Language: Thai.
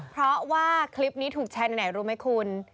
เพราะว่าคลิปนี้ถูกแชร์ในไหนรู้ไหมคุณ